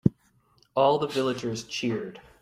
All the villagers cheered.